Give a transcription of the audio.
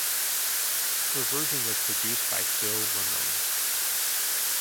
Her version was produced by Phil Ramone.